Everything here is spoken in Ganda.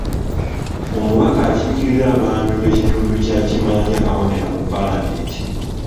Omubaka akiikirira abantu b’ekitundu kya Kimaanya Kabonera mu Paalamenti.